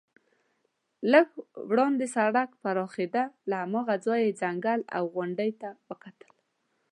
لږ وړاندې سړک پراخېده، له هماغه ځایه مې ځنګل او غونډۍ ته وکتل.